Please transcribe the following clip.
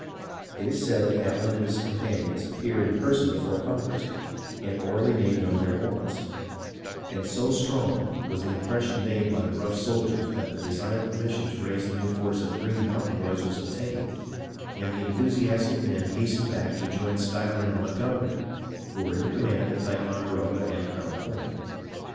It is said that Allen and his com panions appeared in person before Congress, and orally made known their wants ; and so strong was the impres sion made by the rough soldiers that the desired permis sion to raise the new force of Green Mountain Boys was obtained, and the enthusiastic men hastened back to join Schuyler and Montgomery, who were in command at Ticon deroga and Crown Point.